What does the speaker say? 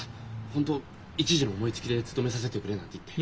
本当一時の思いつきで「勤めさせてくれ」なんて言って。